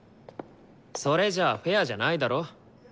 それじゃあフェアじゃないだろう？